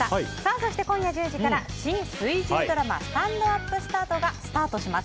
そして今夜１０時から新水１０ドラマ「スタンドＵＰスタート」がスタートします。